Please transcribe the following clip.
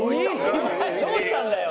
どうしたんだよ